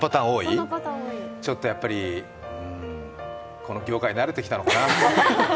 ちょっとやっぱり、この業界、慣れてきたのかな。